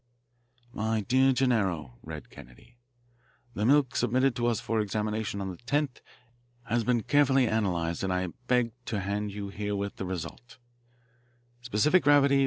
"My dear Gennaro," read Kennedy. "The milk submitted to us for examination on the 10th inst. has been carefully analysed, and I beg to hand you herewith the result: Specific gravity 1.